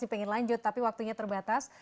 pengen lanjut tapi waktunya terbatas